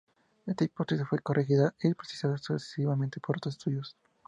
Esta hipótesis fue corregida y precisada sucesivamente por otros estudiosos.